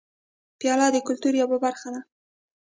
پیاله د کلتور یوه برخه ده.